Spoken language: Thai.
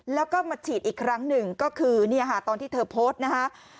แล้วก็มาฉีดอีกครั้งหนึ่งก็คือเนี่ยค่ะตอนที่เธอโพสต์นะคะ